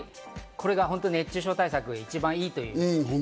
これが熱中症対策に一番いいという。